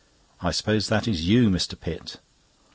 I suppose that is you, Mr. Pitt?"